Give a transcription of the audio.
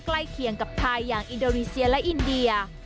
เคียงกับไทยอย่างอินโดนีเซียและอินเดีย